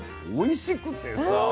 おいしくてさ